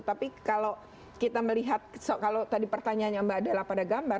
tapi kalau kita melihat kalau tadi pertanyaannya mbak adalah pada gambar